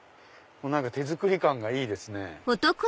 手作り感がいいですね。